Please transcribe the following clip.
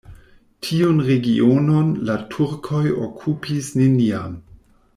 Tiun regionon la turkoj okupis neniam.